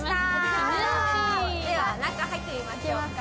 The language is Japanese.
中入ってみましょうか？